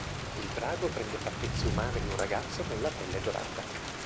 Il drago prende fattezze umane di un ragazzo con la pelle dorata.